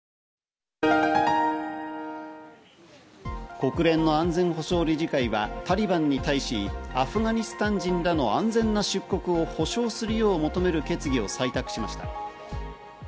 国連の安全保障理事会はタリバンに対しアフガニスタン人らの安全な出国を保証するよう求める決議を採択しました。